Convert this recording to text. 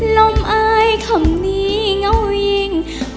ลมอายคำนี้เงาวิง